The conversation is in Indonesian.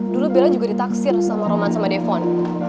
dulu bella juga ditaksir sama roman sama devon